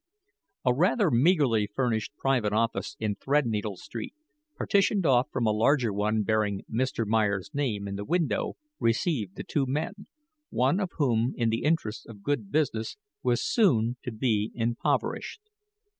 A rather meagerly furnished private office in Threadneedle Street, partitioned off from a larger one bearing Mr. Meyer's name in the window, received the two men, one of whom, in the interests of good business, was soon to be impoverished.